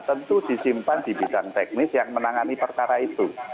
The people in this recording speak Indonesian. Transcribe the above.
tentu disimpan di bidang teknis yang menangani perkara itu